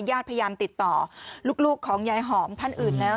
ญาติพยายามติดต่อลูกของยายหอมท่านอื่นแล้ว